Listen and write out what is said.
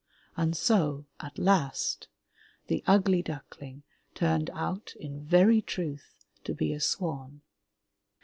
And so, at last, the ugly duckling turned out, in very truth, to be a swan.